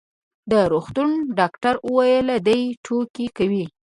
د روغتون ډاکټر وویل: دی ټوکې کوي.